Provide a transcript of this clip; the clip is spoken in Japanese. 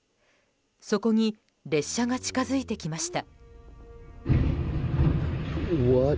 そこに列車が近づいてきました。